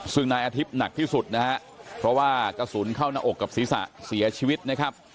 ซึ่งนายอาทิตย์หนักที่สุดนะฮะเพราะว่ากระสุนเข้าหน้าอกกับศีรษะเสียชีวิตนะครับ